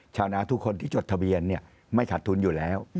ชาวนาทุกคนที่จดทะเบียนไม่ขาดทุนอยู่แล้ว